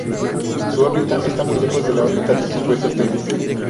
Su órbita está muy lejos de la órbita del supuesto Temis.